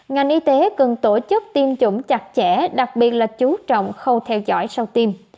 ngành y tế cần tổ chức tiêm chủng chặt chẽ đặc biệt là chú trọng khâu theo dõi sau tiêm